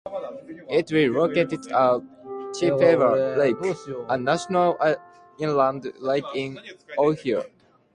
It is located on Chippewa Lake, a natural inland lake in Ohio.